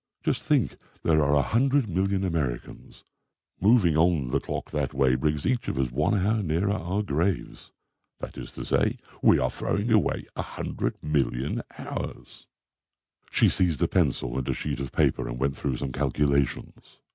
Just think; there are a hundred million Americans. Moving on the clock that way brings each of us one hour nearer our graves. That is to say, we are throwing away 100,000,000 hours." She seized a pencil and a sheet of paper and went through some calculations.